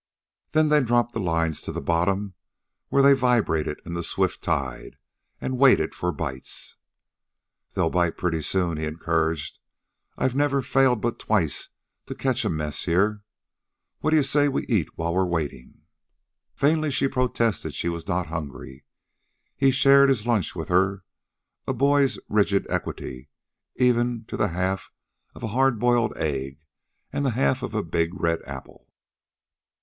Then they dropped the lines to bottom, where they vibrated in the swift tide, and waited for bites. "They'll bite pretty soon," he encouraged. "I've never failed but twice to catch a mess here. What d'ye say we eat while we're waiting?" Vainly she protested she was not hungry. He shared his lunch with her with a boy's rigid equity, even to the half of a hard boiled egg and the half of a big red apple.